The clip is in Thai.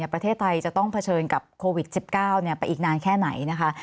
ประเทศไทยจะต้องเผชิญกับโควิด๑๙ไปอีกนานแค่ไหนนะคะ